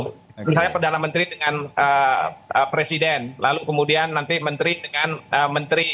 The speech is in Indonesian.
menurut saya perdana menteri dengan presiden lalu kemudian nanti menteri dengan menteri